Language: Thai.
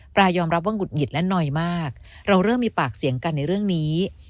ยอมรับว่าหงุดหงิดและนอยมากเราเริ่มมีปากเสียงกันในเรื่องนี้